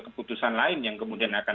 keputusan lain yang kemudian akan